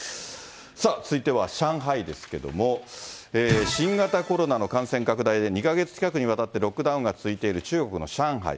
さあ、続いては上海ですけども、新型コロナの感染拡大で、２か月近くにわたってロックダウンが続いている中国の上海。